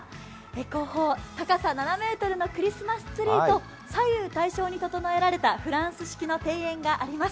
後方高さ７ｍのクリスマスツリーと左右対称に整えられたフランス式の庭園があります。